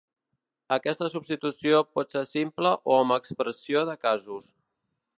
Aquesta substitució pot ser simple o amb expressió de casos.